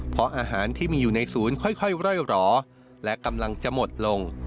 เพราะอาหารที่มีอยู่ในศูนย์ค่อยร่อยรอและกำลังจะหมดลง